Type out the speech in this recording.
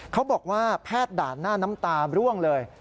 เขาบอกว่าแพทย์ด่านหน้าน้ำตาร่วงเลย